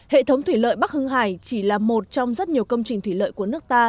hệ thống thủy lợi bắc hưng hải chỉ là một trong rất nhiều công trình thủy lợi của nước ta